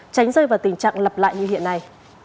tránh rơi vào tình trạng lặp lại như hiện nay